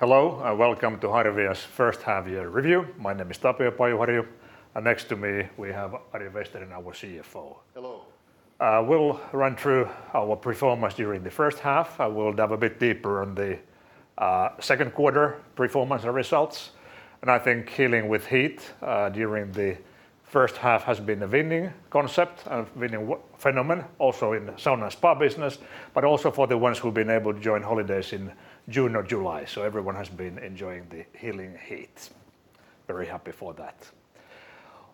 Hello, and welcome to Harvia's first half-year review. My name is Tapio Pajuharju, and next to me we have Ari Vesterinen, our Chief Financial Officer. Hello. We'll run through our performance during the first half. I will dive a bit deeper on the second quarter performance and results. I think healing with heat during the first half has been a winning concept and a winning phenomenon also in sauna and spa business, but also for the ones who've been able to join holidays in June or July. Everyone has been enjoying the healing heat, very happy for that.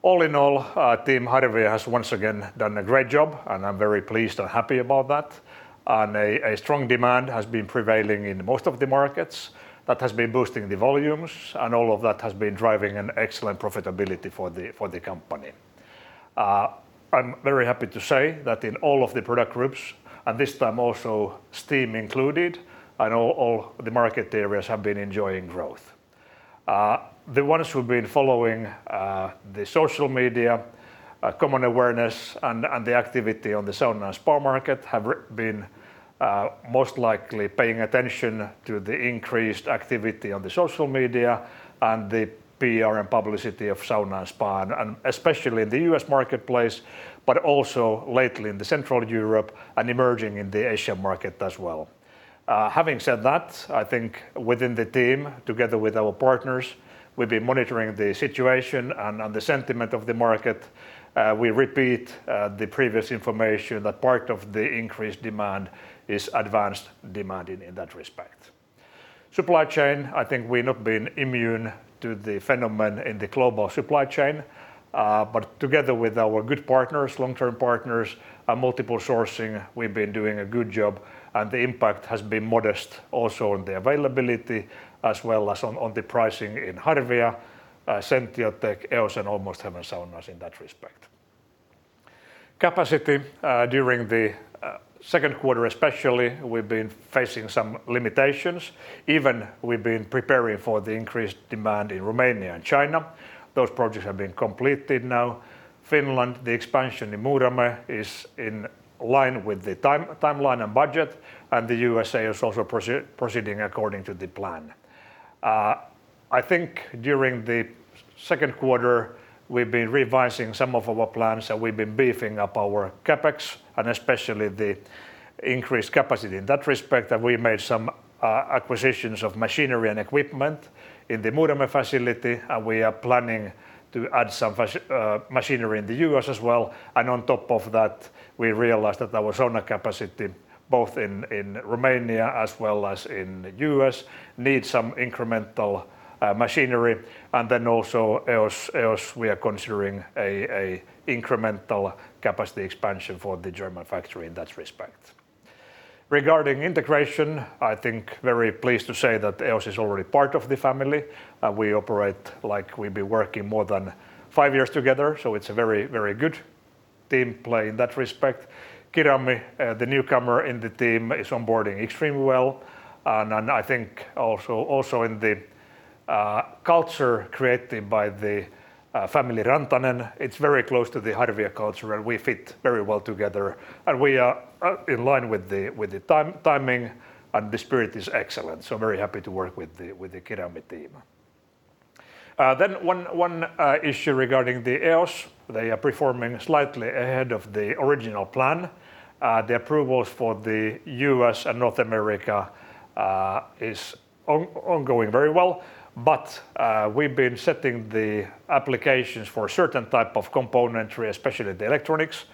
All in all, Team Harvia has once again done a great job, and I'm very pleased and happy about that. A strong demand has been prevailing in most of the markets. That has been boosting the volumes, and all of that has been driving an excellent profitability for the company. I'm very happy to say that in all of the product groups, and this time also steam included, and all the market areas have been enjoying growth. The ones who've been following the social media, common awareness, and the activity on the sauna and spa market have been most likely paying attention to the increased activity on the social media and the PR and publicity of sauna and spa, and especially in the U.S. marketplace, but also lately in the Central Europe and emerging in the Asian market as well. Having said that, I think within the team, together with our partners, we've been monitoring the situation and the sentiment of the market. We repeat the previous information that part of the increased demand is advanced demand in that respect. Supply chain, I think we've not been immune to the phenomenon in the global supply chain. Together with our good partners, long-term partners, and multiple sourcing, we've been doing a good job and the impact has been modest also on the availability as well as on the pricing in Harvia, Sentiotec, EOS, and Almost Heaven Saunas in that respect. Capacity during the second quarter especially, we've been facing some limitations. Even we've been preparing for the increased demand in Romania and China. Those projects have been completed now. Finland, the expansion in Muurame is in line with the timeline and budget, and the U.S. is also proceeding according to the plan. I think during the second quarter, we've been revising some of our plans, and we've been beefing up our CapEx, and especially the increased capacity in that respect, that we made some acquisitions of machinery and equipment in the Muurame facility, and we are planning to add some machinery in the U.S. as well. On top of that, we realized that our sauna capacity, both in Romania as well as in the U.S., needs some incremental machinery. Also EOS, we are considering a incremental capacity expansion for the German factory in that respect. Regarding integration, I think very pleased to say that EOS is already part of the family. We operate like we've been working more than five years together, so it's a very good team play in that respect. Kirami, the newcomer in the team, is onboarding extremely well. I think also in the culture created by the family Rantanen, it's very close to the Harvia culture, and we fit very well together. We are in line with the timing, and the spirit is excellent. Very happy to work with the Kirami team. One issue regarding the EOS, they are performing slightly ahead of the original plan. The approvals for the U.S. and North America is ongoing very well. We've been setting the applications for a certain type of componentry, especially the electronics,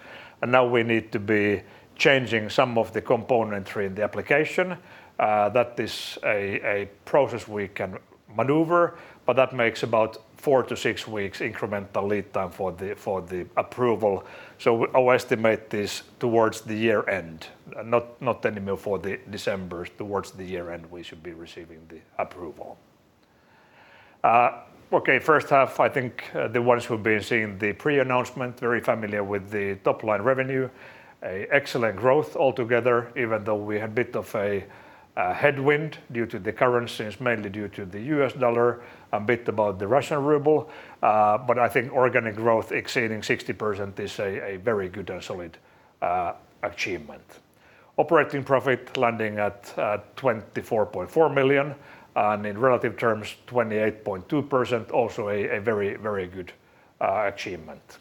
and now we need to be changing some of the componentry in the application. That is a process we can maneuver, but that makes about four to six weeks incremental lead time for the approval. Our estimate is towards the year-end, not anymore for December. Towards the year-end, we should be receiving the approval. Okay, first half, I think the ones who've been seeing the pre-announcement, very familiar with the top-line revenue. A excellent growth altogether, even though we had a bit of a headwind due to the currencies, mainly due to the U.S. dollar, a bit about the Russian RUB. I think organic growth exceeding 60% is a very good and solid achievement. Operating profit landing at 24.4 million, and in relative terms, 28.2%, also a very good achievement.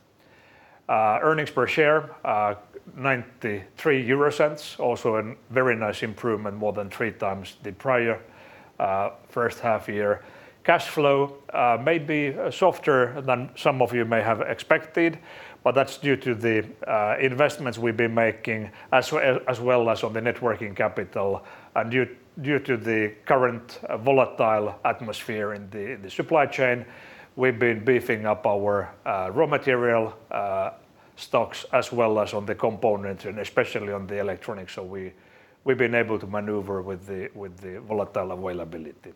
Earnings per share, 0.93, also a very nice improvement, more than 3x the prior first half year. Cash flow may be softer than some of you may have expected, that's due to the investments we've been making, as well as on the Net Working Capital. Due to the current volatile atmosphere in the supply chain, we've been beefing up our raw material stocks as well as on the components, and especially on the electronics. We've been able to maneuver with the volatile availability.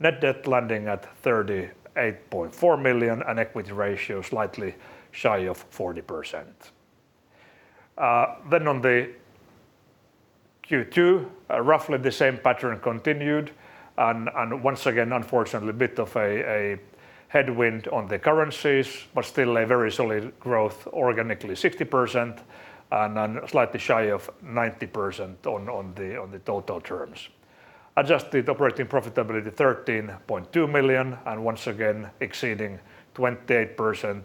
Net debt landing at 38.4 million, and equity ratio slightly shy of 40%. On the Q2, roughly the same pattern continued, and once again, unfortunately, a bit of a headwind on the currencies, but still a very solid growth, organically 60%, and then slightly shy of 90% on the total terms. Adjusted operating profitability 13.2 million, and once again, exceeding 28%,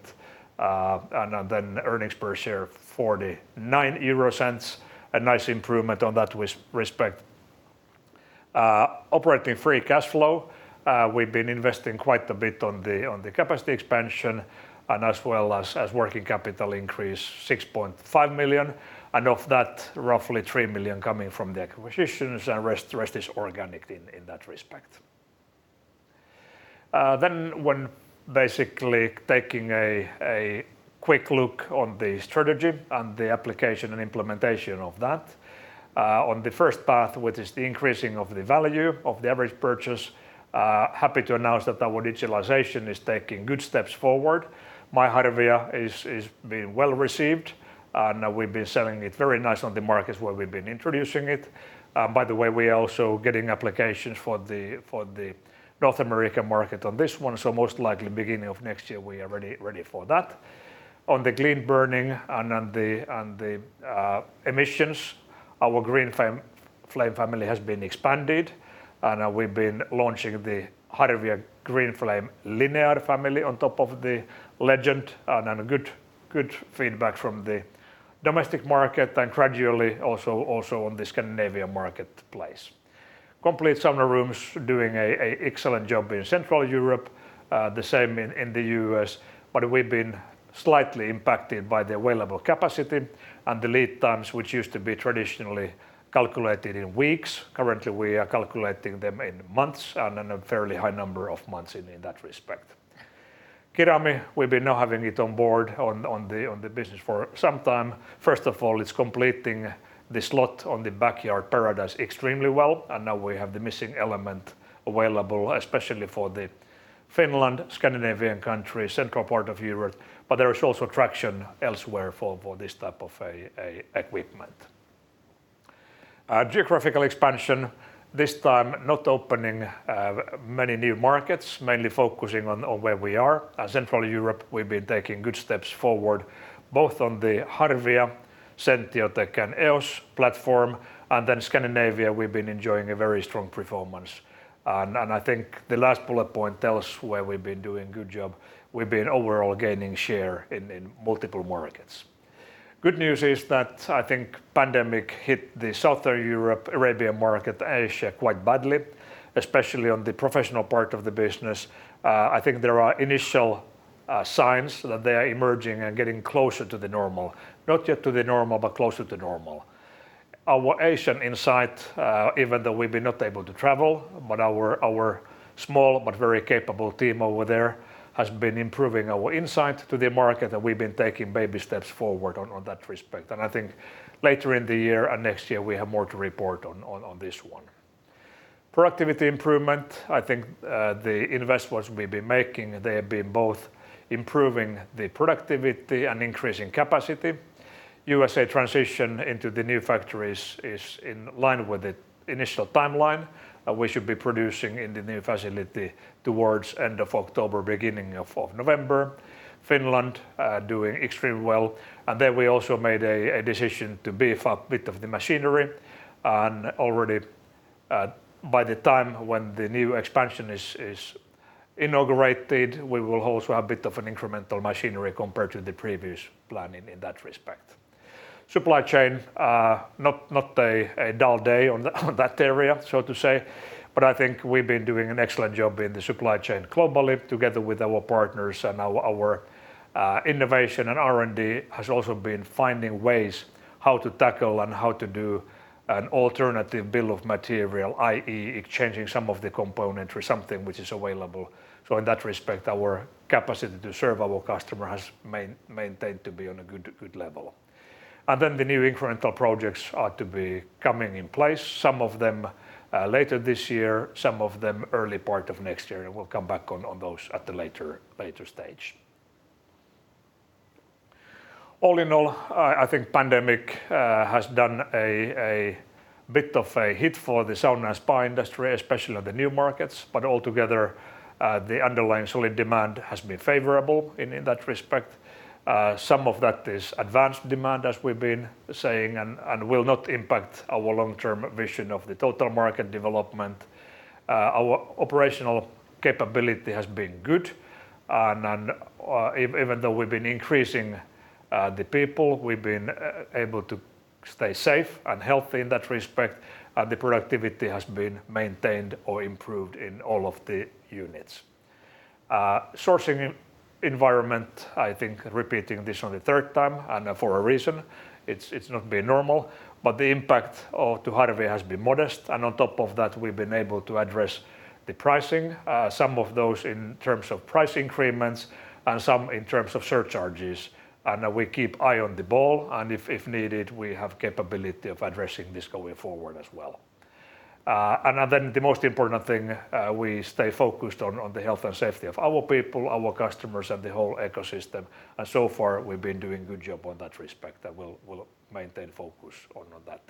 and then earnings per share 0.49. A nice improvement on that respect. Operating free cash flow, we've been investing quite a bit on the capacity expansion and as well as working capital increase 6.5 million, and of that, roughly 3 million coming from the acquisitions and the rest is organic in that respect. When basically taking a quick look on the strategy and the application and implementation of that, on the first path, which is the increasing of the value of the average purchase, happy to announce that our digitalization is taking good steps forward. MyHarvia is being well-received, and we've been selling it very nice on the markets where we've been introducing it. By the way, we are also getting applications for the North American market on this one. Most likely beginning of next year, we are ready for that. On the clean burning and on the emissions, our GreenFlame family has been expanded, and we've been launching the Harvia GreenFlame Linear family on top of the Legend, and good feedback from the Domestic Market, and gradually also on the Scandinavian marketplace. Complete sauna rooms doing a excellent job in Central Europe, the same in the U.S., but we've been slightly impacted by the available capacity and the lead times, which used to be traditionally calculated in weeks. Currently, we are calculating them in months, and in a fairly high number of months in that respect. Kirami, we've been now having it on board on the business for some time. It's completing the slot on the backyard paradise extremely well, and now we have the missing element available, especially for the Finland, Scandinavian countries, Central part of Europe, but there is also traction elsewhere for this type of equipment. Geographical expansion, this time not opening many new markets, mainly focusing on where we are. Central Europe, we've been taking good steps forward, both on the Harvia, Sentiotec, and EOS platform. Scandinavia, we've been enjoying a very strong performance. I think the last bullet point tells where we've been doing good job. We've been overall gaining share in multiple markets. Good news is that I think pandemic hit the Southern Europe, Arabian Market, Asia quite badly, especially on the professional part of the business. I think there are initial signs that they are emerging and getting closer to the normal. Not yet to the normal, but closer to normal. Our Asian insight, even though we've been not able to travel, but our small but very capable team over there has been improving our insight to the market, and we've been taking baby steps forward on that respect. I think later in the year and next year, we have more to report on this one. Productivity improvement, I think, the investments we've been making, they have been both improving the productivity and increasing capacity. USA transition into the new factories is in line with the initial timeline. We should be producing in the new facility towards end of October, beginning of November. Finland, doing extremely well. There we also made a decision to beef up bit of the machinery, and already by the time when the new expansion is inaugurated, we will also have bit of an incremental machinery compared to the previous planning in that respect. Supply chain, not a dull day on that area, so to say. I think we've been doing an excellent job in the supply chain globally together with our partners and our innovation and R&D has also been finding ways how to tackle and how to do an alternative Bill of Materials, i.e., exchanging some of the component or something which is available. In that respect, our capacity to serve our customer has maintained to be on a good level. Then the new incremental projects are to be coming in place, some of them later this year, some of them early part of next year, and we'll come back on those at a later stage. All in all, I think pandemic has done a bit of a hit for the sauna and spa industry, especially on the new markets. Altogether, the underlying solid demand has been favorable in that respect. Some of that is advanced demand, as we've been saying, and will not impact our long-term vision of the total market development. Our operational capability has been good, and even though we've been increasing the people, we've been able to stay safe and healthy in that respect, and the productivity has been maintained or improved in all of the units. Sourcing environment, I think repeating this on the third time, and for a reason, it's not been normal, but the impact to Harvia has been modest. On top of that, we've been able to address the pricing, some of those in terms of price increments, and some in terms of surcharges. We keep eye on the ball, and if needed, we have capability of addressing this going forward as well. The most important thing, we stay focused on the health and safety of our people, our customers, and the whole ecosystem. So far, we've been doing good job on that respect, and we'll maintain focus on that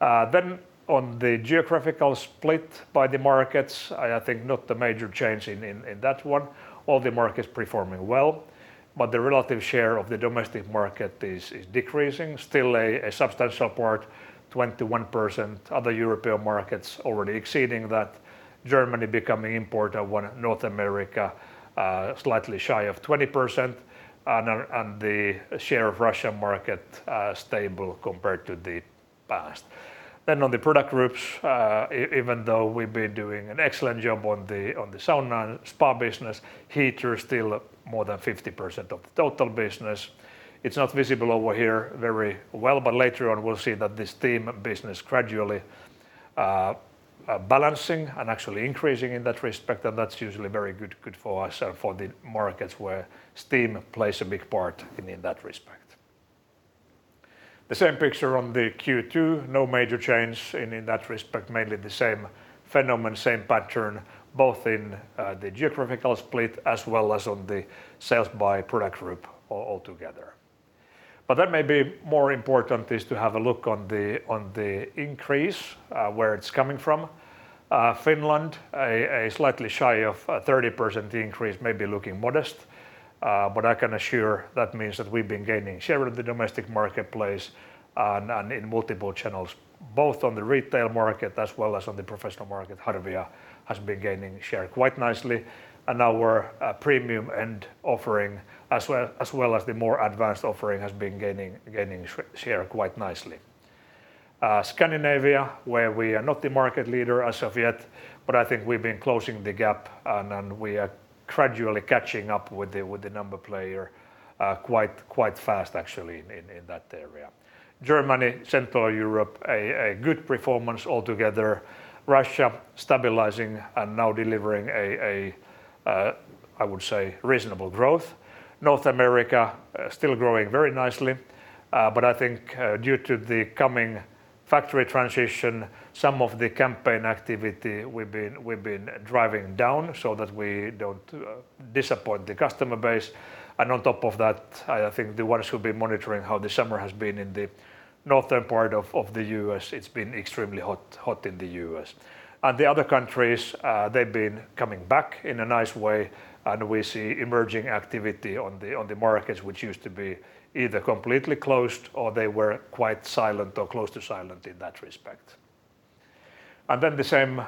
area. On the geographical split by the markets, I think not a major change in that one. All the markets performing well, but the relative share of the Domestic Market is decreasing. Still a substantial part, 21%. Other European markets already exceeding that. Germany becoming importer. North America, slightly shy of 20%, and the share of Russia market stable compared to the past. On the product groups, even though we've been doing an excellent job on the sauna and spa business, heater still more than 50% of the total business. It's not visible over here very well, but later on, we'll see that the steam business gradually balancing and actually increasing in that respect. That's usually very good for us and for the markets where steam plays a big part in that respect. The same picture on the Q2, no major change in that respect. Mainly the same phenomenon, same pattern, both in the geographical split as well as on the sales by product group altogether. That may be more important is to have a look on the increase, where it's coming from. Finland, slightly shy of 30% increase, maybe looking modest, but I can assure that means that we've been gaining share of the Domestic Marketplace and in multiple channels, both on the retail market as well as on the professional market. Harvia has been gaining share quite nicely, and our premium-end offering, as well as the more advanced offering, has been gaining share quite nicely. Scandinavia, where we are not the market leader as of yet, but I think we've been closing the gap, and we are gradually catching up with the number player, quite fast actually in that area. Germany, Central Europe, a good performance altogether. Russia, stabilizing and now delivering a, I would say, reasonable growth. North America, still growing very nicely, but I think due to the coming factory transition, some of the campaign activity we've been driving down so that we don't disappoint the customer base. On top of that, I think the ones who've been monitoring how the summer has been in the northern part of the U.S., it's been extremely hot in the U.S. The other countries, they've been coming back in a nice way, and we see emerging activity on the markets which used to be either completely closed or they were quite silent or close to silent in that respect. The same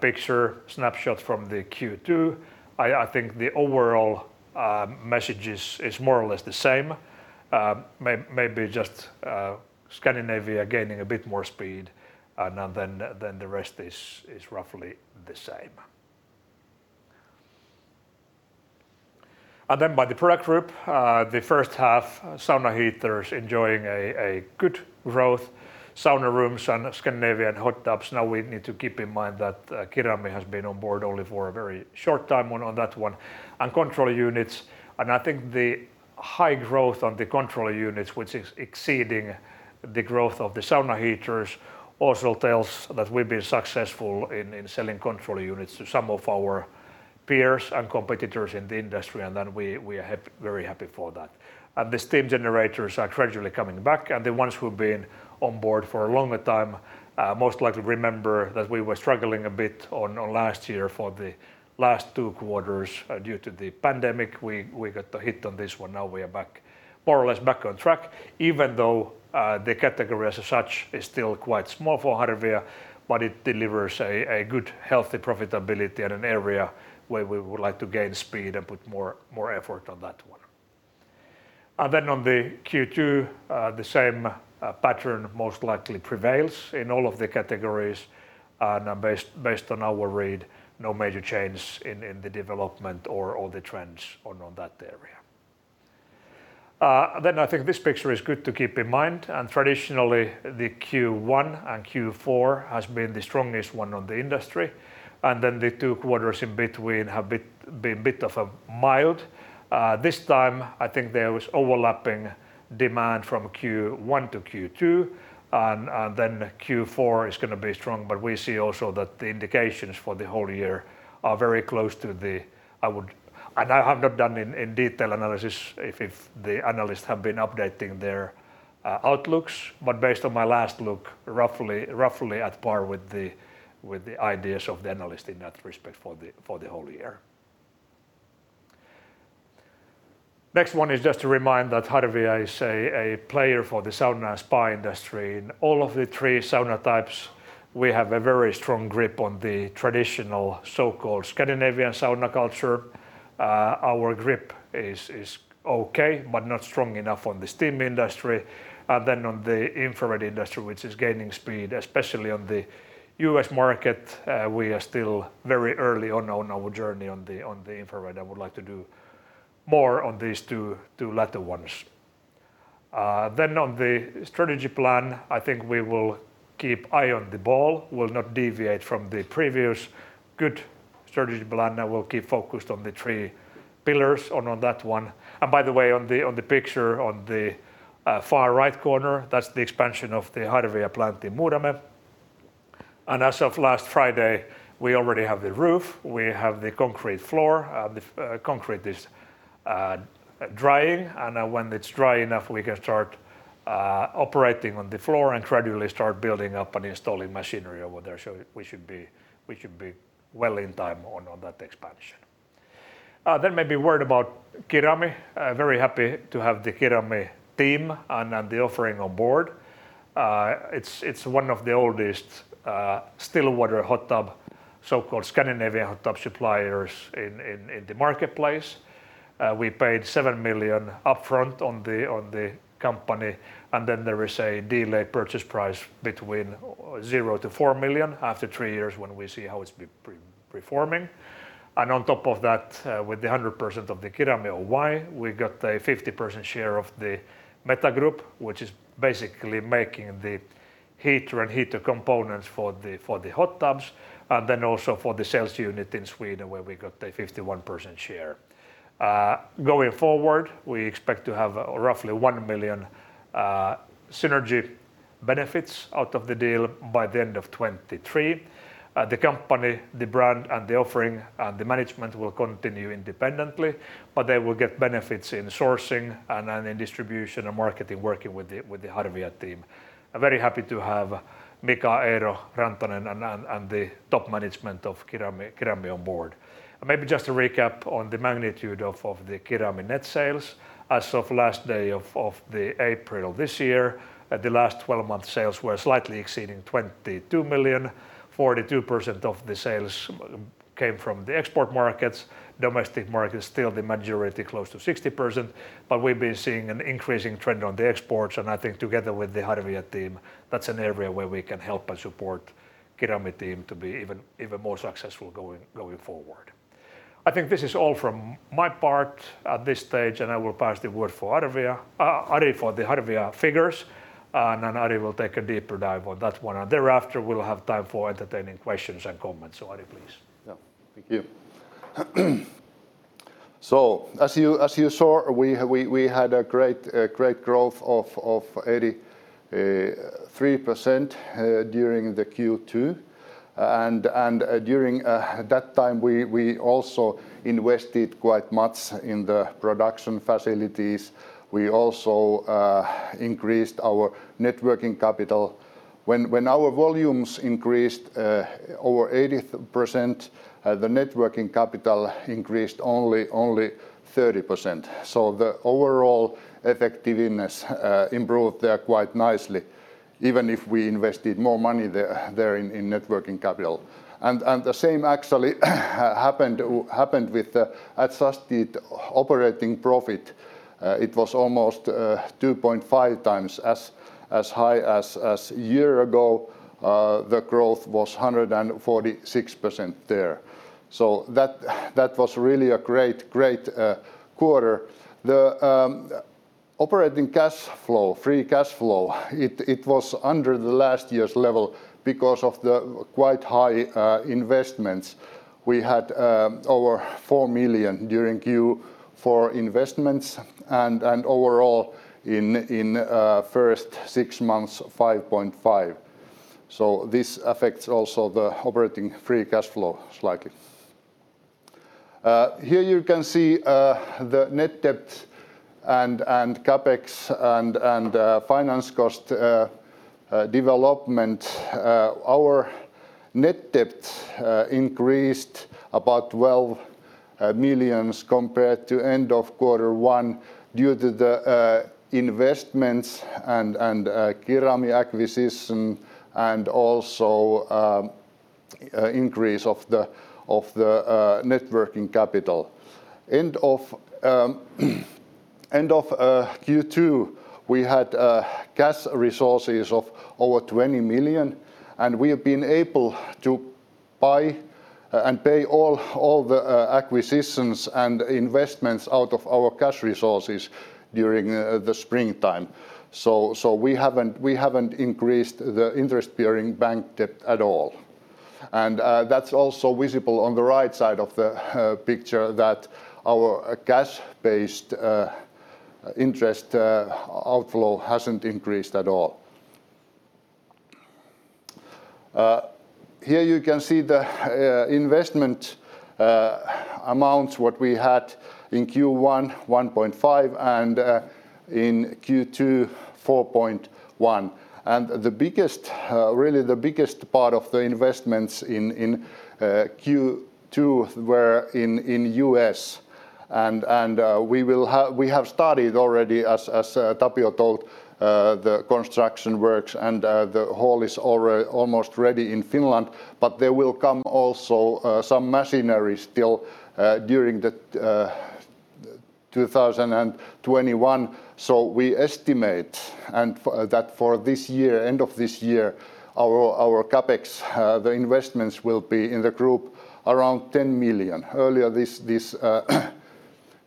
picture snapshot from the Q2. I think the overall message is more or less the same. Maybe just Scandinavia gaining a bit more speed, the rest is roughly the same. By the product group, the first half, sauna heaters enjoying a good growth. Sauna rooms and Scandinavian hot tubs, now we need to keep in mind that Kirami has been on board only for a very short time on that one. Control units, I think the high growth on the control units, which is exceeding the growth of the sauna heaters, also tells that we've been successful in selling control units to some of our peers and competitors in the industry, we are very happy for that. The steam generators are gradually coming back, the ones who've been on board for a longer time most likely remember that we were struggling a bit on last year for the last two quarters, due to the pandemic. We got a hit on this one. Now we are more or less back on track, even though the category as such is still quite small for Harvia, but it delivers a good, healthy profitability in an area where we would like to gain speed and put more effort on that one. On the Q2, the same pattern most likely prevails in all of the categories, and based on our read, no major change in the development or the trends on that area. I think this picture is good to keep in mind, and traditionally, the Q1 and Q4 has been the strongest one on the industry, and then the two quarters in between have been bit of a mild. This time, I think there was overlapping demand from Q1 to Q2, and then Q4 is going to be strong, but we see also that the indications for the whole year are very close to the I have not done in detail analysis if the analysts have been updating their outlooks, but based on my last look, roughly at par with the ideas of the analyst in that respect for the whole year. Next one is just to remind that Harvia is a player for the sauna and spa industry. In all of the three sauna types, we have a very strong grip on the traditional so-called Scandinavian sauna culture. Our grip is okay, but not strong enough on the steam industry. Then on the infrared industry, which is gaining speed, especially on the U.S. market, we are still very early on our journey on the infrared. I would like to do more on these two latter ones. Then on the strategy plan, I think we will keep eye on the ball, will not deviate from the previous good strategy plan, and we'll keep focused on the three pillars on that one. By the way, on the picture on the far right corner, that's the expansion of the Harvia plant in Muurame. As of last Friday, we already have the roof. We have the concrete floor. The concrete is drying and when it's dry enough, we can start operating on the floor and gradually start building up and installing machinery over there. We should be well in time on that expansion. Maybe a word about Kirami. Very happy to have the Kirami team and the offering on board. It's one of the oldest still water hot tub, so-called Scandinavian hot tub suppliers in the marketplace. We paid 7 million upfront on the company, and then there is a delayed purchase price between 0-4 million after three years when we see how it's been performing. On top of that, with the 100% of the Kirami Oy, we got a 50% share of the Metagroupp OÜ, which is basically making the heater and heater components for the hot tubs, and then also for the sales unit in Sweden, where we got a 51% share. Going forward, we expect to have roughly 1 million synergy benefits out of the deal by the end of 2023. The company, the brand, and the offering, and the management will continue independently, but they will get benefits in sourcing and in distribution and marketing working with the Harvia team. I'm very happy to have Mika Eero Rantanen and the top management of Kirami on board. Maybe just to recap on the magnitude of the Kirami net sales. As of last day of April this year, the last 12 months sales were slightly exceeding 22 million. 42% of the sales came from the export markets. Domestic Markets still the majority, close to 60%, but we've been seeing an increasing trend on the exports. I think together with the Harvia, that's an area where we can help and support Kirami to be even more successful going forward. I think this is all from my part at this stage, and I will pass the word for Ari for the Harvia figures, and then Ari will take a deeper dive on that one, and thereafter, we'll have time for entertaining questions and comments. Ari, please. Yeah. Thank you. As you saw, we had a great growth of 83% during the Q2. During that time, we also invested quite much in the production facilities. We also increased our net working capital. When our volumes increased over 80%, the net working capital increased only 30%. The overall effectiveness improved there quite nicely even if we invested more money there in net working capital. The same actually happened with adjusted operating profit. It was almost 2.5x as high as a year ago. The growth was 146% there. That was really a great quarter. The operating cash flow, free cash flow, it was under the last year's level because of the quite high investments. We had over 4 million during Q4 investments and overall in first six months, 5.5. This affects also the operating free cash flow slightly. Here you can see the net debt and CapEx and the finance cost development. Our net debt increased about 12 million compared to end of Q1 due to the investments and Kirami acquisition and also increase of the net working capital. End of Q2, we had cash resources of over 20 million, and we have been able to buy and pay all the acquisitions and investments out of our cash resources during the springtime. We haven't increased the interest-bearing bank debt at all. That's also visible on the right side of the picture that our cash-based interest outflow hasn't increased at all. Here you can see the investment amounts, what we had in Q1, 1.5 million, and in Q2, 4.1 million. Really the biggest part of the investments in Q2 were in U.S. We have started already, as Tapio told, the construction works and the hall is almost ready in Finland, but there will come also some machinery still during 2021. We estimate that for end of this year, our CapEx, the investments will be in the group around 10 million. Earlier, this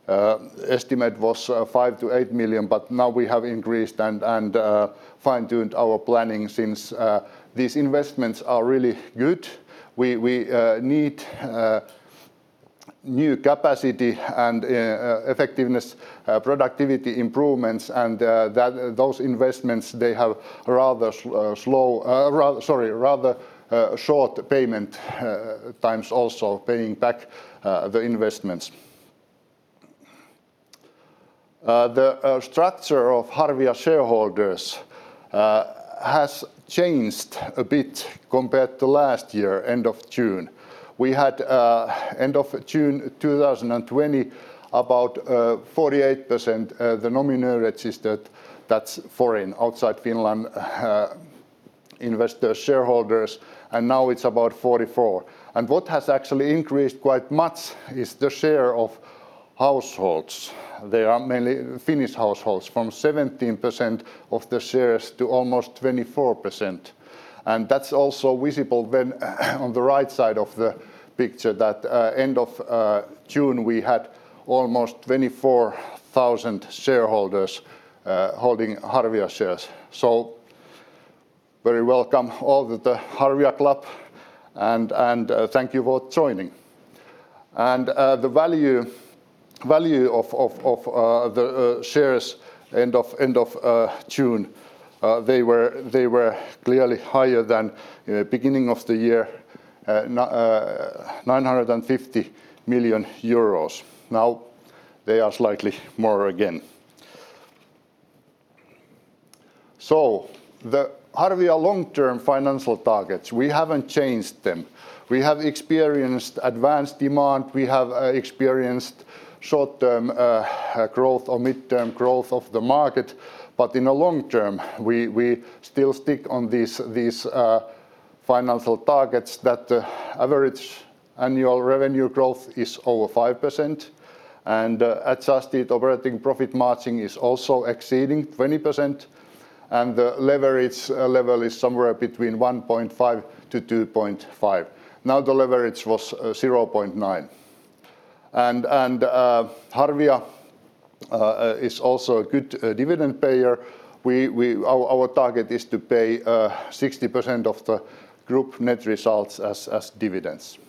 estimate was 5 million-8 million, but now we have increased and fine-tuned our planning since these investments are really good. We need new capacity and effectiveness, productivity improvements. Those investments, they have rather short payment times also paying back the investments. The structure of Harvia shareholders has changed a bit compared to last year, end of June. We had end of June 2020, about 48% the nominal registered that's foreign, outside Finland investors, shareholders. Now it's about 44%. What has actually increased quite much is the share of households. They are mainly Finnish households from 17% of the shares to almost 24%. That's also visible then on the right side of the picture that end of June, we had almost 24,000 shareholders holding Harvia shares. Very welcome all with the Harvia Club and thank you for joining. The value of the shares end of June, they were clearly higher than beginning of the year, 950 million euros. Now they are slightly more again. The Harvia long-term financial targets, we haven't changed them. We have experienced advanced demand. We have experienced short-term growth or mid-term growth of the market. In the long term, we still stick on these financial targets that the average annual revenue growth is over 5% and adjusted operating profit margin is also exceeding 20% and the leverage level is somewhere between 1.5-2.5. Now the leverage was 0.9. Harvia is also a good dividend payer. Our target is to pay 60% of the group net results as dividends.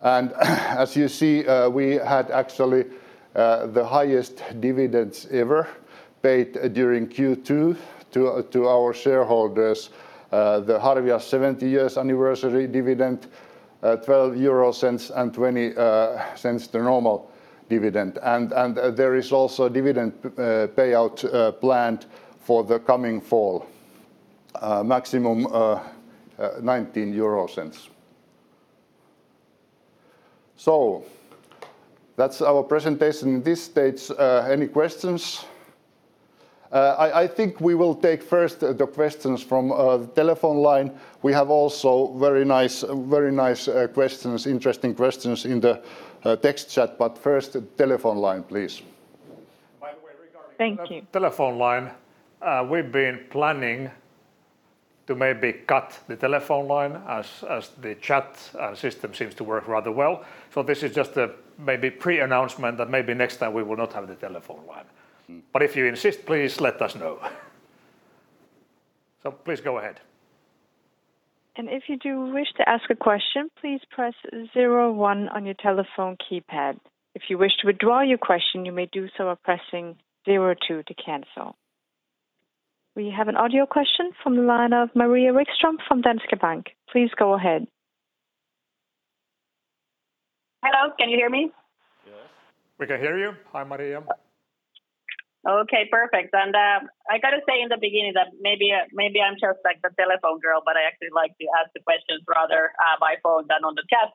As you see, we had actually the highest dividends ever paid during Q2 to our shareholders. The Harvia 70 years anniversary dividend, 0.12 and 0.20 the normal dividend. There is also a dividend payout planned for the coming fall, maximum 0.19. That's our presentation. This states any questions? I think we will take first the questions from the telephone line. We have also very nice questions, interesting questions in the text chat, but first the telephone line, please. By the way. Thank you Telephone line, we've been planning to maybe cut the telephone line as the chat system seems to work rather well. This is just a maybe pre-announcement that maybe next time we will not have the telephone line. If you insist, please let us know. Please go ahead. If you do wish to ask a question, please press zero one on your telephone keypad. If you wish to withdraw your question, you may do so by pressing zero two to cancel. We have an audio question from the line of Maria Wikström from Danske Bank. Please go ahead. Hello, can you hear me? Yes. We can hear you. Hi, Maria. Okay, perfect. I got to say in the beginning that maybe I'm just like the telephone girl, but I actually like to ask the questions rather by phone than on the chat,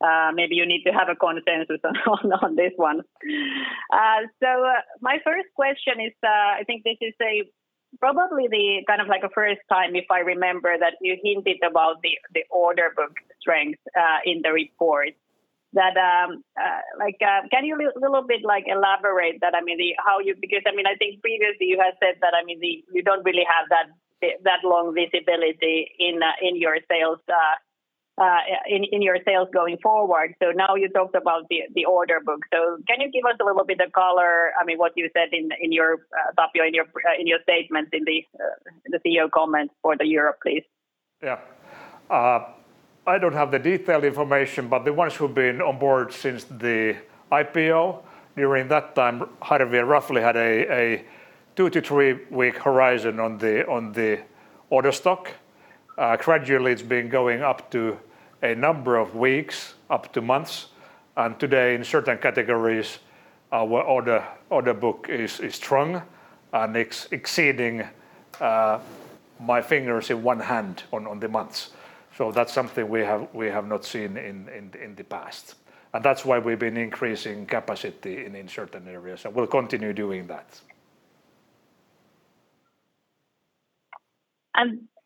but maybe you need to have a consensus on this one. My first question is, I think this is probably the kind of like a first time if I remember that you hinted about the order book strength, in the report. Can you a little bit elaborate that? I think previously you had said that you don't really have that long visibility in your sales going forward. Now you talked about the order book. Can you give us a little bit of color, what you said Tapio in your statement in the Chief Executive Officer comments for the year, please? Yeah. I don't have the detailed information, but the ones who've been on board since the IPO, during that time, Harvia roughly had a two to three-week horizon on the order stock. Gradually it's been going up to a number of weeks up to months. Today in certain categories, our order book is strong and exceeding my fingers in one hand on the months. That's something we have not seen in the past. That's why we've been increasing capacity in certain areas, and we'll continue doing that.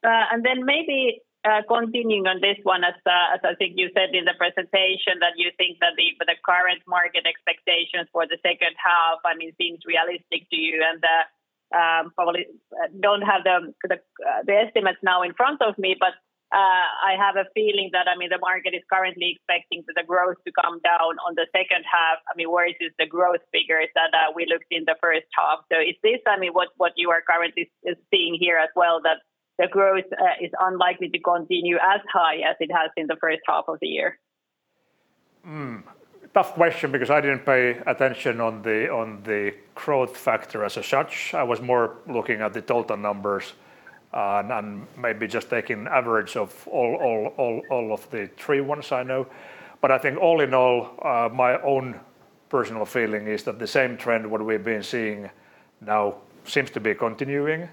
Maybe continuing on this one as I think you said in the presentation that you think that the current market expectations for the second half seems realistic to you and that probably don't have the estimates now in front of me, but I have a feeling that the market is currently expecting for the growth to come down on the second half, where it is the growth figures that we looked in the first half. Is this what you are currently seeing here as well, that the growth is unlikely to continue as high as it has in the first half of the year? Tough question because I didn't pay attention on the growth factor as such. I was more looking at the total numbers and maybe just taking average of all of the three ones I know. I think all in all, my own personal feeling is that the same trend, what we've been seeing now seems to be continuing.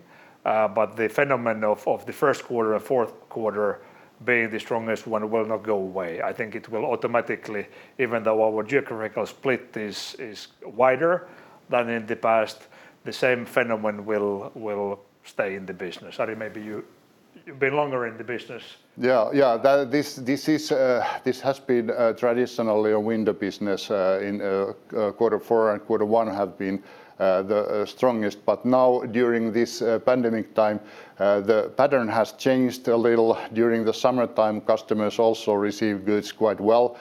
The phenomenon of the first quarter and fourth quarter being the strongest one will not go away. I think it will automatically, even though our geographical split is wider than in the past, the same phenomenon will stay in the business. Ari, maybe you've been longer in the business. This has been traditionally a winter business, quarter four and quarter one have been the strongest. Now during this pandemic time, the pattern has changed a little during the summertime. Customers also receive goods quite well.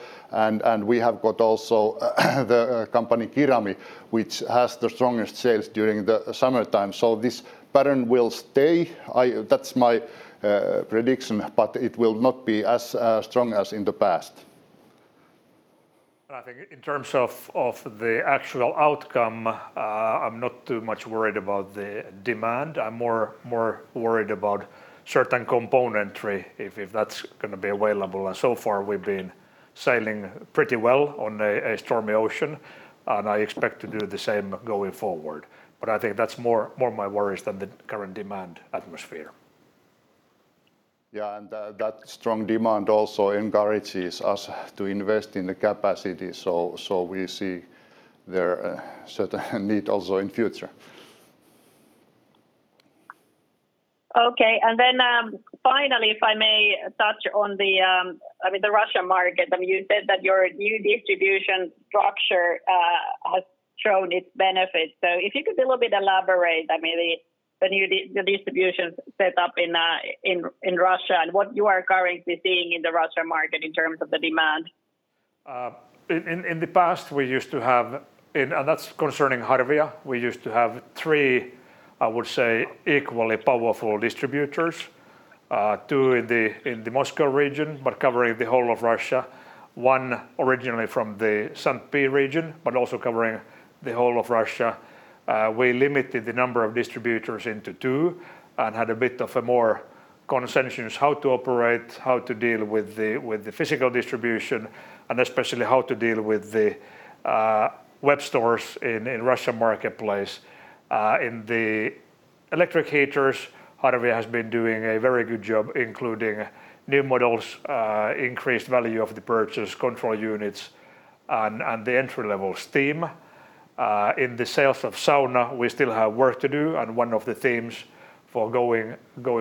We have got also the company Kirami, which has the strongest sales during the summertime. This pattern will stay. That's my prediction, it will not be as strong as in the past. I think in terms of the actual outcome, I'm not too much worried about the demand. I'm more worried about certain componentry, if that's going to be available. So far we've been sailing pretty well on a stormy ocean, and I expect to do the same going forward. I think that's more of my worries than the current demand atmosphere. Yeah, that strong demand also encourages us to invest in the capacity, so we see there a certain need also in future. Finally, if I may touch on the Russia market. You said that your new distribution structure has shown its benefits. If you could a little bit elaborate, maybe the new distribution set up in Russia and what you are currently seeing in the Russia market in terms of the demand. In the past we used to have, and that's concerning Harvia, we used to have three, I would say, equally powerful distributors. Two in the Moscow region, but covering the whole of Russia. One originally from the St. Pete region, but also covering the whole of Russia. We limited the number of distributors into two and had a bit of a more consensus how to operate, how to deal with the physical distribution, and especially how to deal with the web stores in Russian marketplace. In the electric heaters, Harvia has been doing a very good job, including new models, increased value of the purchase control units, and the entry-level steam. In the sales of sauna, we still have work to do, and one of the themes for going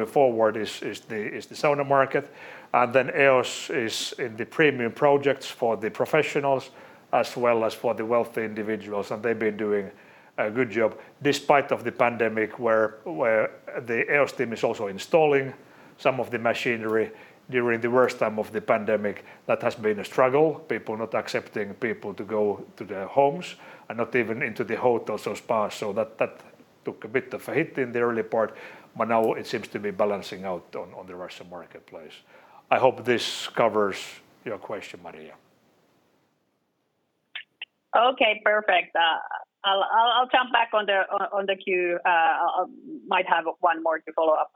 forward is the sauna market. EOS is in the premium projects for the professionals as well as for the wealthy individuals. They've been doing a good job despite of the pandemic, where the EOS team is also installing some of the machinery during the worst time of the pandemic. That has been a struggle, people not accepting people to go to their homes and not even into the hotels or spas. That took a bit of a hit in the early part, but now it seems to be balancing out on the Russian marketplace. I hope this covers your question, Maria. Okay, perfect. I'll jump back on the queue. I might have one more to follow up.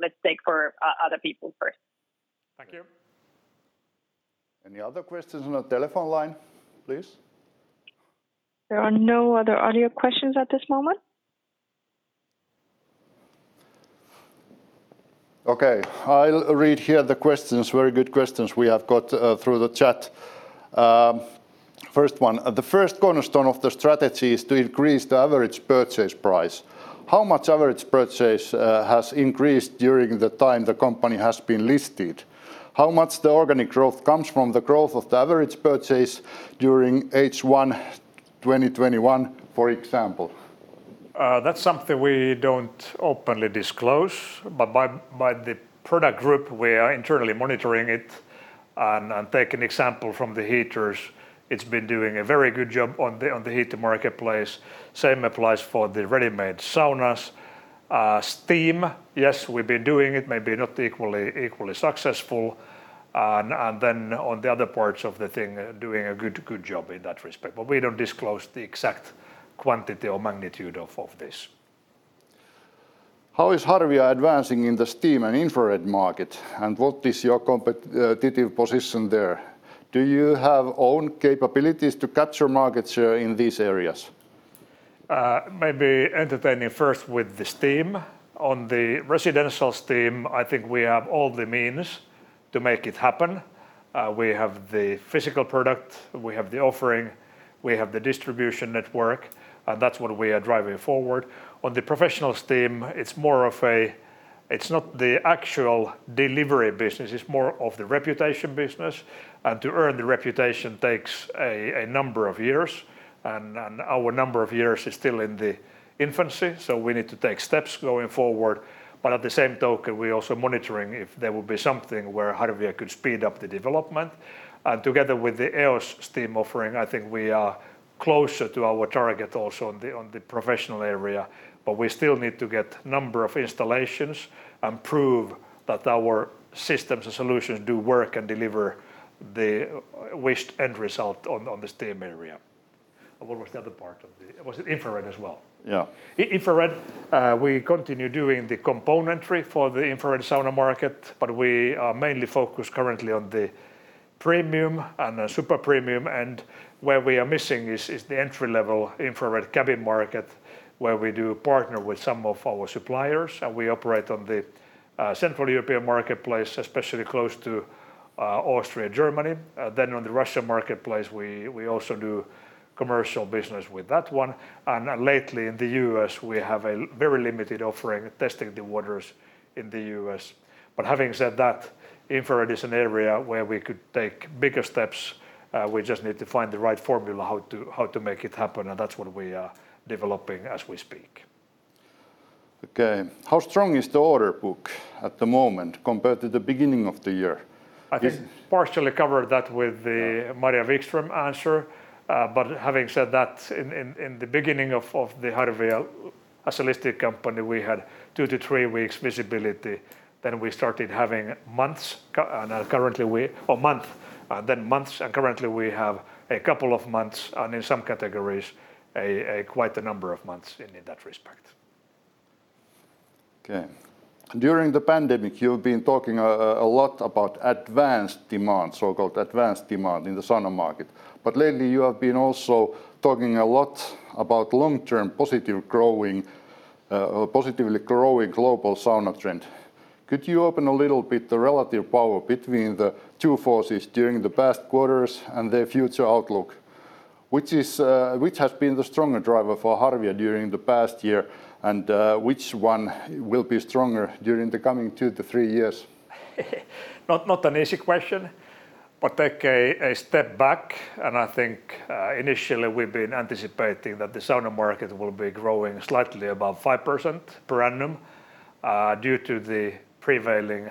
Let's take for other people first. Thank you. Any other questions on the telephone line, please? There are no other audio questions at this moment. Okay, I'll read here the questions, very good questions we have got through the chat. First one, the first cornerstone of the strategy is to increase the average purchase price. How much average purchase has increased during the time the company has been listed? How much the organic growth comes from the growth of the average purchase during H1 2021, for example? That's something we don't openly disclose. By the product group, we are internally monitoring it and take an example from the heaters. It's been doing a very good job on the heater marketplace. Same applies for the ready-made saunas. Steam, yes, we've been doing it, maybe not equally successful. Then on the other parts of the thing, doing a good job in that respect. We don't disclose the exact quantity or magnitude of this. How is Harvia advancing in the steam and infrared market, and what is your competitive position there? Do you have own capabilities to capture markets in these areas? Maybe entertaining first with the steam. On the residential steam, I think we have all the means to make it happen. We have the physical product, we have the offering, we have the distribution network, and that's what we are driving forward. On the professional steam, it's not the actual delivery business, it's more of the reputation business. To earn the reputation takes a number of years, and our number of years is still in the infancy, so we need to take steps going forward. At the same token, we're also monitoring if there will be something where Harvia could speed up the development. Together with the EOS steam offering, I think we are closer to our target also on the professional area, but we still need to get number of installations and prove that our systems and solutions do work and deliver the wished end result on the steam area. What was the other part of the? Was it infrared as well? Yeah. Infrared, we continue doing the componentry for the infrared sauna market, but we are mainly focused currently on the premium and the super premium. Where we are missing is the entry-level infrared cabin market, where we do partner with some of our suppliers, and we operate on the Central European marketplace, especially close to Austria and Germany. On the Russia marketplace, we also do commercial business with that one. Lately in the U.S., we have a very limited offering testing the waters in the U.S. Having said that, infrared is an area where we could take bigger steps. We just need to find the right formula how to make it happen, and that's what we are developing as we speak. Okay. How strong is the order book at the moment compared to the beginning of the year? I think partially covered that with. Yeah Maria Wikström answer. Having said that, in the beginning of the Harvia as a listed company, we had two to three weeks visibility. Then we started having months, and currently Or month, then months, and currently we have two months, and in some categories, a quite a number of months in that respect. Okay. During the pandemic, you've been talking a lot about advanced demand, so-called advanced demand in the sauna market. Lately you have been also talking a lot about long-term, positively growing global sauna trend. Could you open a little bit the relative power between the two forces during the past quarters and the future outlook, which has been the stronger driver for Harvia during the past year, and which one will be stronger during the coming two to three years? Not an easy question, take a step back, and I think, initially we've been anticipating that the sauna market will be growing slightly above 5% per annum. Due to the prevailing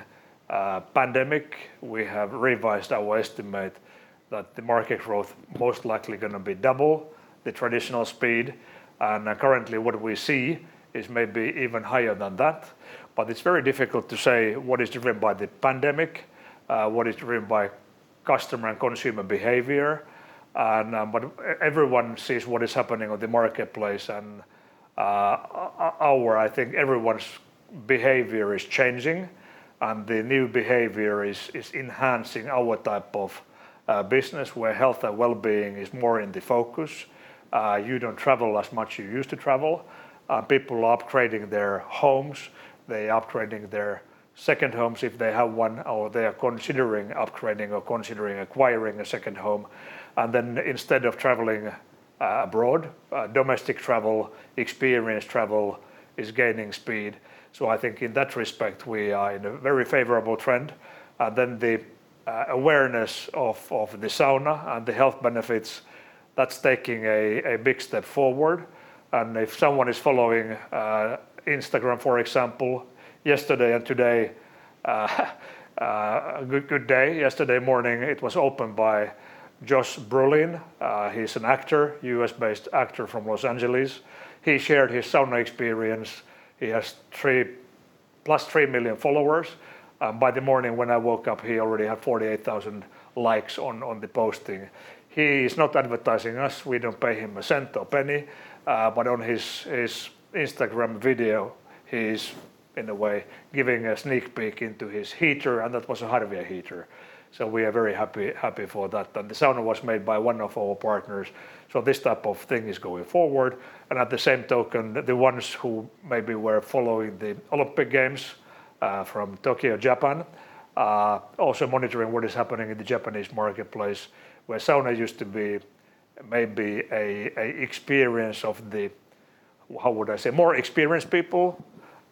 pandemic, we have revised our estimate that the market growth most likely going to be double the traditional speed. Currently what we see is maybe even higher than that. It's very difficult to say what is driven by the pandemic, what is driven by customer and consumer behavior. Everyone sees what is happening on the marketplace, and our, I think everyone's behavior is changing, and the new behavior is enhancing our type of business where health and wellbeing is more in the focus. You don't travel as much you used to travel. People are upgrading their homes. They are upgrading their second homes if they have one, or they are considering upgrading or considering acquiring a second home. Instead of traveling abroad, domestic travel, experience travel is gaining speed. I think in that respect, we are in a very favorable trend. The awareness of the sauna and the health benefits, that's taking a big step forward. If someone is following Instagram, for example, yesterday and today, good day. Yesterday morning it was opened by Josh Brolin. He's an actor, U.S.-based actor from L.A. He shared his sauna experience. He has +3 million followers. By the morning when I woke up, he already had 48,000 likes on the posting. He is not advertising us. We don't pay him a cent or penny. On his Instagram video, he's, in a way, giving a sneak peek into his heater, and that was a Harvia heater. We are very happy for that. The sauna was made by one of our partners. This type of thing is going forward. At the same token, the ones who maybe were following the Olympic Games from Tokyo, Japan, are also monitoring what is happening in the Japanese marketplace, where sauna used to be maybe a experience of the, how would I say, more experienced people.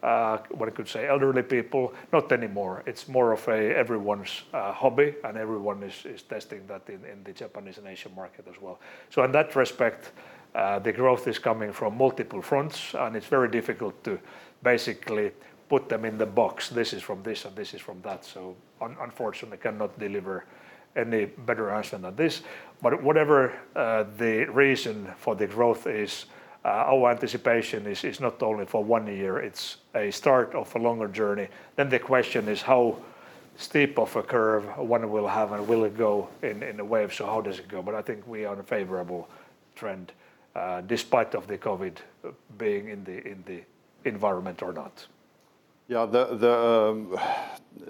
What I could say, elderly people. Not anymore. It's more of a everyone's hobby, and everyone is testing that in the Japanese and Asian market as well. In that respect, the growth is coming from multiple fronts, and it's very difficult to basically put them in the box. This is from this, and this is from that. Unfortunately, I cannot deliver any better answer than this. Whatever the reason for the growth is, our anticipation is it is not only for one year, it is a start of a longer journey. The question is how steep of a curve one will have, and will it go in a way of so how does it go? I think we are in a favorable trend, despite of the COVID being in the environment or not. Yeah. The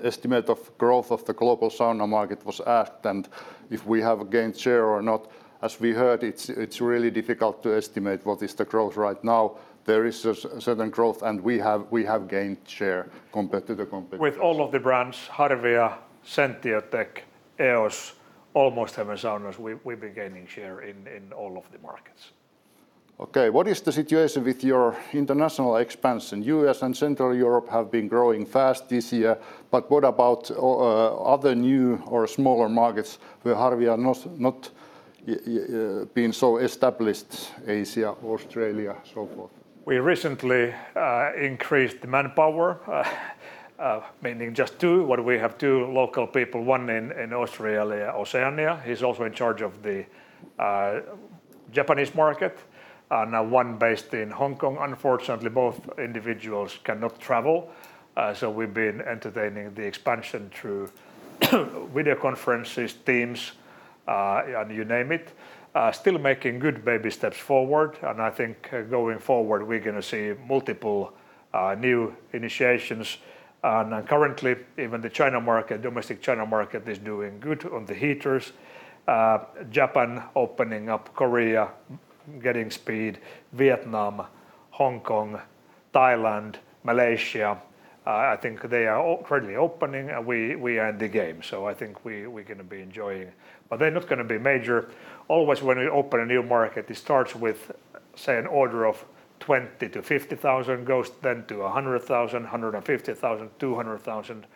estimate of growth of the global sauna market was asked, and if we have gained share or not, as we heard, it is really difficult to estimate what is the growth right now. There is a certain growth, and we have gained share compared to the competitors. With all of the brands, Harvia, Sentiotec, EOS, Almost Heaven Saunas, we've been gaining share in all of the markets. Okay. What is the situation with your international expansion? U.S. and Central Europe have been growing fast this year, but what about other new or smaller markets where Harvia not been so established, Asia, Australia, so forth? We recently increased the manpower, meaning just two, where we have two local people, one in Australia, Oceania. He's also in charge of the Japanese market, and now one based in Hong Kong. Unfortunately, both individuals cannot travel, we've been entertaining the expansion through video conferences, Teams, and you name it. Still making good baby steps forward, I think going forward, we're going to see multiple new initiations. Currently, even the domestic China market is doing good on the heaters. Japan opening up, Korea getting speed, Vietnam, Hong Kong, Thailand, Malaysia, I think they are all currently opening, we are in the game. I think we're going to be enjoying. They're not going to be major. Always when we open a new market, it starts with, say, an order of 20,000-50,000, goes then to 100,000, 150,000, 200,000.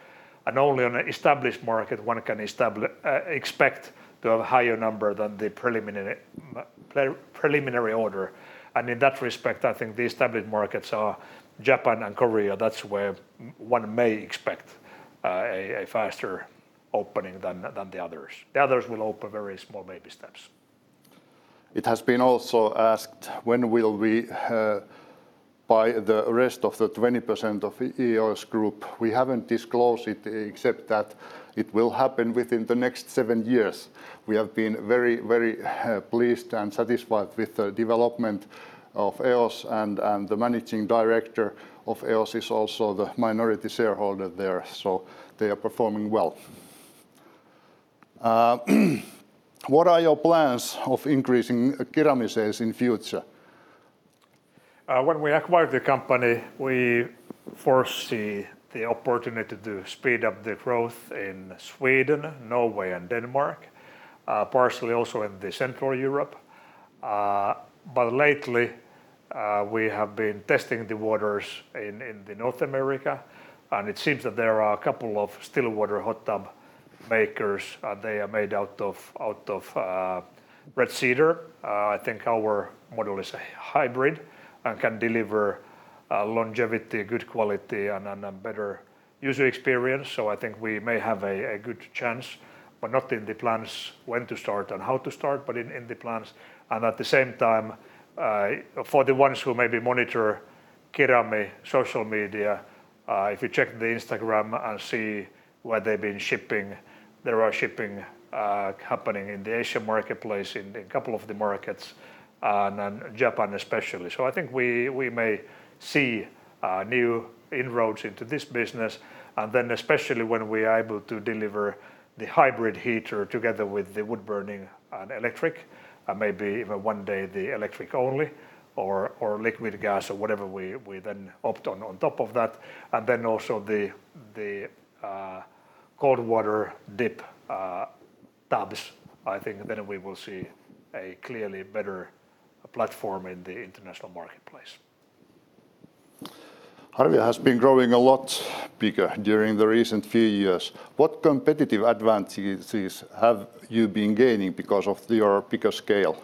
Only on an established market one can expect to have a higher number than the preliminary order. In that respect, I think the established markets are Japan and Korea. That's where one may expect a faster opening than the others. The others will open very small baby steps. It has been also asked, when will we buy the rest of the 20% of EOS Group? We haven't disclosed it, except that it will happen within the next seven years. We have been very pleased and satisfied with the development of EOS, and the managing director of EOS is also the minority shareholder there, so they are performing well. "What are your plans of increasing Kirami sales in future? When we acquired the company, we foresee the opportunity to speed up the growth in Sweden, Norway, and Denmark, partially also in the Central Europe. Lately, we have been testing the waters in the North America, and it seems that there are two still water hot tub makers. They are made out of red cedar. I think our model is a hybrid and can deliver longevity, good quality, and a better user experience, I think we may have a good chance. Not in the plans when to start and how to start, but in the plans. At the same time, for the ones who may be monitor Kirami social media, if you check the Instagram and see where they've been shipping, there are shipping happening in the Asian marketplace in two of the markets, and Japan especially. I think we may see new inroads into this business, and then especially when we are able to deliver the hybrid heater together with the wood-burning and electric, and maybe even one day the electric only, or liquid gas or whatever we then opt on top of that, and also the cold water dip tubs. I think then we will see a clearly better platform in the international marketplace. Harvia has been growing a lot bigger during the recent few years. What competitive advantages have you been gaining because of your bigger scale?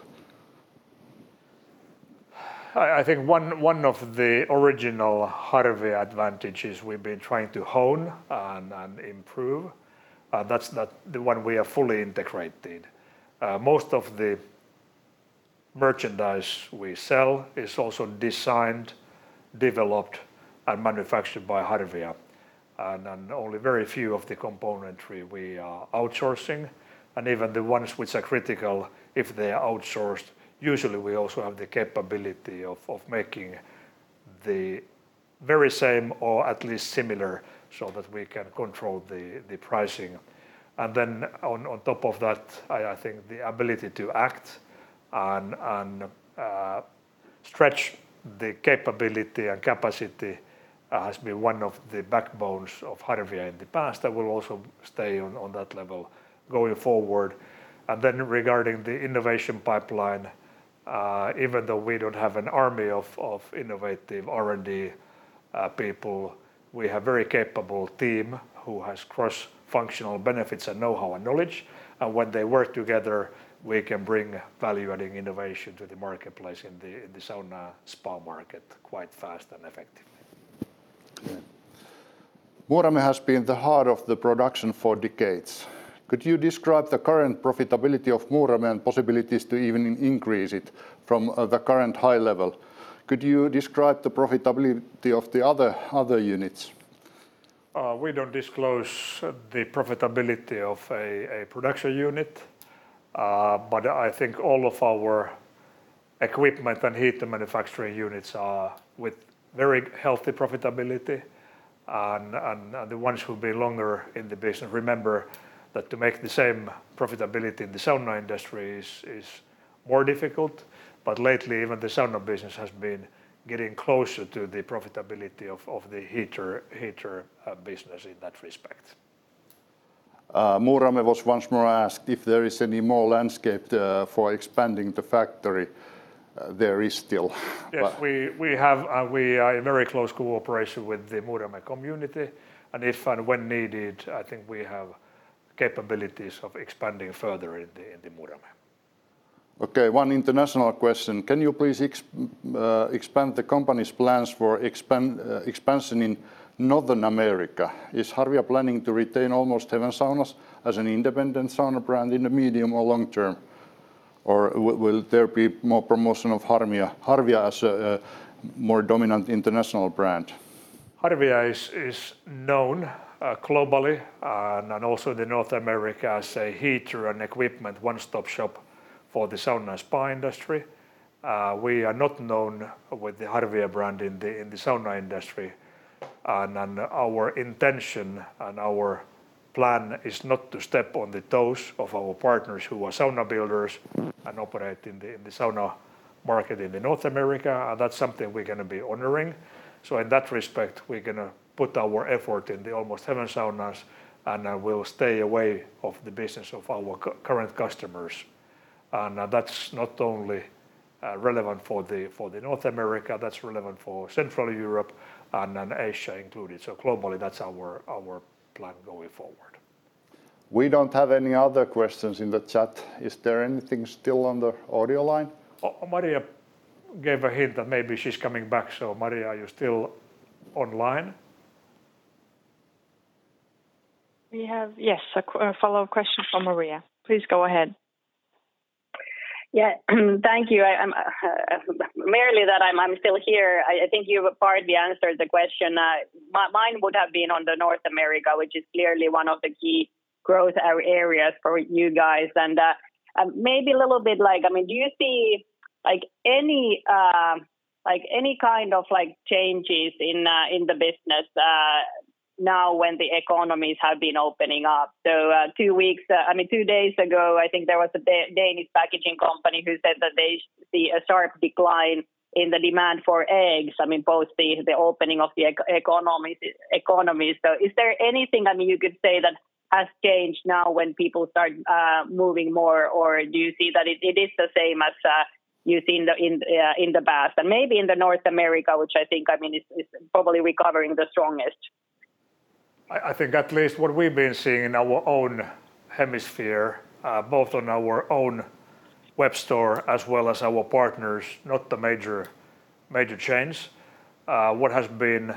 I think one of the original Harvia advantages we've been trying to hone and improve. That's the one we are fully integrated. Most of the merchandise we sell is also designed, developed, and manufactured by Harvia. Only very few of the componentry we are outsourcing, and even the ones which are critical, if they are outsourced, usually we also have the capability of making the very same or at least similar so that we can control the pricing. Then on top of that, I think the ability to act and stretch the capability and capacity has been one of the backbones of Harvia in the past, and will also stay on that level going forward. Regarding the innovation pipeline, even though we don't have an army of innovative R&D people, we have very capable team who has cross-functional benefits and know-how and knowledge, and when they work together, we can bring value-adding innovation to the marketplace in the sauna spa market quite fast and effectively. Yeah. "Muurame has been the heart of the production for decades. Could you describe the current profitability of Muurame and possibilities to even increase it from the current high level? Could you describe the profitability of the other units? We don't disclose the profitability of a production unit, but I think all of our equipment and heater manufacturing units are with very healthy profitability. The ones who've been longer in the business remember that to make the same profitability in the sauna industry is more difficult. Lately, even the sauna business has been getting closer to the profitability of the heater business in that respect. Muurame" was once more asked "if there is any more landscape for expanding the factory?" There is still. Yes. We are in very close cooperation with the Muurame community, and if and when needed, I think we have capabilities of expanding further in the Muurame. Okay, one international question. Can you please expand the company's plans for expansion in North America? Is Harvia planning to retain Almost Heaven Saunas as an independent sauna brand in the medium or long term? Will there be more promotion of Harvia as a more dominant international brand? Harvia is known globally and also in North America as a heater and equipment one-stop shop for the sauna and spa industry. We are not known with the Harvia brand in the sauna industry. Our intention and our plan is not to step on the toes of our partners who are sauna builders and operate in the sauna market in North America. That's something we're going to be honoring. In that respect, we're going to put our effort into Almost Heaven Saunas, and we'll stay away from the business of our current customers. That's not only relevant for North America, that's relevant for Central Europe and Asia included. Globally, that's our plan going forward. We don't have any other questions in the chat. Is there anything still on the audio line? Maria gave a hint that maybe she's coming back. Maria, are you still online? We have, yes, a follow-up question from Maria. Please go ahead. Yeah. Thank you. Merely that I'm still here, I think you partly answered the question. Mine would have been on North America, which is clearly one of the key growth areas for you guys. Maybe a little bit, do you see any kind of changes in the business now when the economies have been opening up? Two days ago, I think there was a Danish packaging company who said that they see a sharp decline in the demand for eggs, both the opening of the economy. Is there anything you could say that has changed now when people start moving more, or do you see that it is the same as you've seen in the past? Maybe in North America, which I think is probably recovering the strongest. I think at least what we've been seeing in our own hemisphere, both on our own web store as well as our partners, not a major change. What has been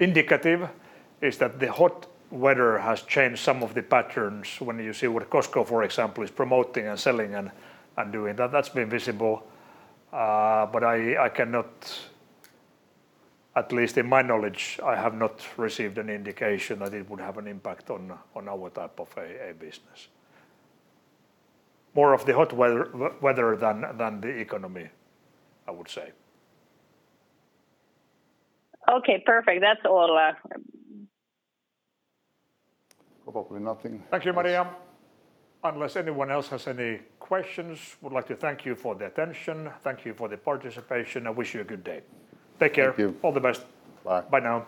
indicative is that the hot weather has changed some of the patterns. When you see what Costco, for example, is promoting and selling and doing, that's been visible. At least in my knowledge, I have not received an indication that it would have an impact on our type of business. More of the hot weather than the economy, I would say. Okay, perfect. That's all. Probably nothing. Thank you, Maria. Unless anyone else has any questions, I would like to thank you for the attention. Thank you for the participation. I wish you a good day. Take care. Thank you. All the best, bye now.